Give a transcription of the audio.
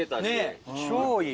超いい。